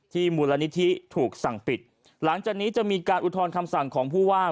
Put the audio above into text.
มูลนิธิถูกสั่งปิดหลังจากนี้จะมีการอุทธรณ์คำสั่งของผู้ว่า